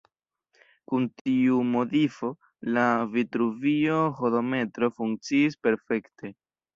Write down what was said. Kun tiu modifo, la Vitruvio-hodometro funkciis perfekte.